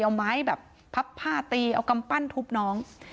เอาไม้แบบพับผ้าตีเอากำปั้นทุบน้อง